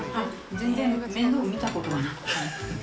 全然面倒を見たことがない。